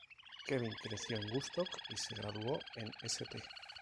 Kevin creció en Woodstock y se graduó en St.